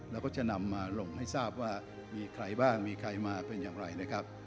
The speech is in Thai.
แล้วก็จะนำมาลงให้ทราบว่ามีใครบ้างมีใครมาเป็นอย่างไรนะครับ